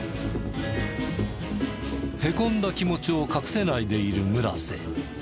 へこんだ気持ちを隠せないでいる村瀬。